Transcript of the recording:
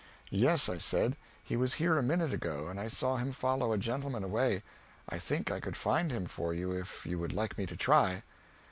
"Yes," I said, "he was here a minute ago, and I saw him follow a gentleman away. I think I could find him for you if you would like me to try."